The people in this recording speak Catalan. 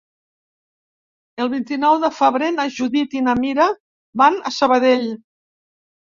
El vint-i-nou de febrer na Judit i na Mira van a Sabadell.